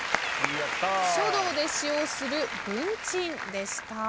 書道で使用するぶんちんでした。